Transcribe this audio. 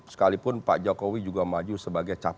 sekalipun pak jokowi juga maju sebagai capres dua ribu sembilan belas